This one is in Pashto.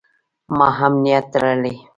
ما هم نیت تړلی.